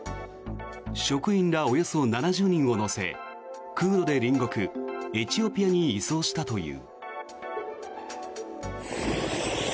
職員らおよそ７０人を乗せ空路で隣国エチオピアに移送したという。